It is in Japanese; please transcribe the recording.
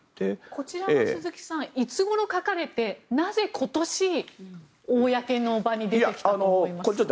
こちらは鈴木さんいつごろ描かれてなぜ今年、公の場に出てきたと思いますか？